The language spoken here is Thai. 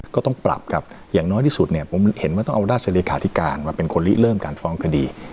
ก็ต้องปรับครับอย่างน้อยที่สุดเนี่ยผมเห็นว่าต้องเอาราชเลขาธิการมาเป็นคนลิเริ่มการฟ้องคดี